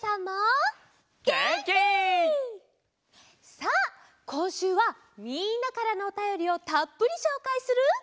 さあこんしゅうはみんなからのおたよりをたっぷりしょうかいする。